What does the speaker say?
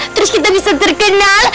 terus kita bisa terkenal